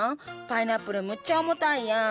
パイナップルむっちゃ重たいやん。